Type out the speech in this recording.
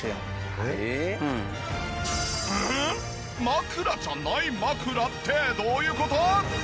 枕じゃない枕ってどういう事？